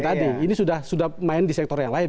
tadi ini sudah main di sektor yang lain